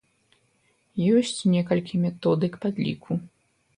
Ёсць некалькі методык падліку.